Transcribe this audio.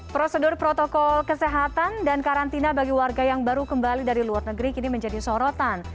prosedur protokol kesehatan dan karantina bagi warga yang baru kembali dari luar negeri kini menjadi sorotan